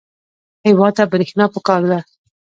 هېواد ته برېښنا پکار ده